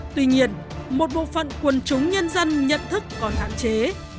tuy nhiên một bộ phận quân chúng nhân dân nhận thức còn hạn chế